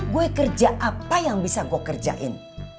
gue kerja apa yang bisa gue kerjain